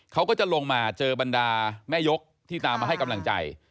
เขาก็จะลงมาเจอบรรดาแม่ยกที่ตามมาให้กำลังใจ